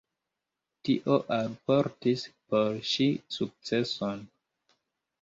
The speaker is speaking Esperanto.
Tio alportis por ŝi sukceson.